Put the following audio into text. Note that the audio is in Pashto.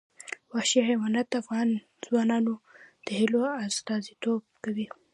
وحشي حیوانات د افغان ځوانانو د هیلو استازیتوب کوي.